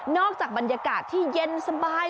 จากบรรยากาศที่เย็นสบาย